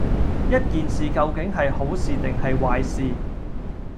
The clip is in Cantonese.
一件事究竟係好事定係壞事